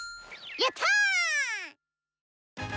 やった！